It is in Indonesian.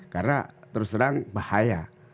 karena terus terang bahaya